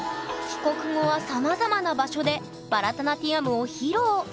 帰国後はさまざまな場所でバラタナティヤムを披露。